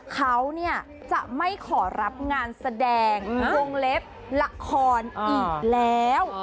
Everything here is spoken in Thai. เขาเนี่ยจะไม่ขอรับงานแสดงวงเล็บละครอีกแล้ว